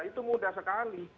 itu mudah sekali